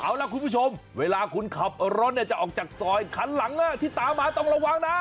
เอาล่ะคุณผู้ชมเวลาคุณขับรถจะออกจากซอยคันหลังที่ตามมาต้องระวังนะ